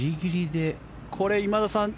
これ、今田さん